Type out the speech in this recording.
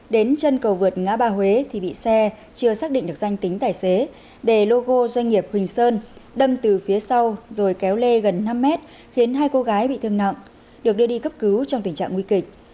đến chân cầu vượt ngã ba huế thì bị xe chưa xác định được danh tính tài xế để logo doanh nghiệp huỳnh sơn đâm từ phía sau rồi kéo lê gần năm mét khiến hai cô gái bị thương nặng được đưa đi cấp cứu trong tình trạng nguy kịch